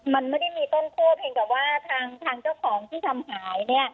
มันไม่ได้มีต้นคั่วเพียงแต่ว่าทางเจ้าของที่ทำหายเนี่ย